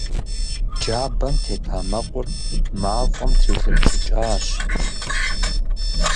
Джабэм тета мэкъур мафӀэм трилыпщӀыкӀащ.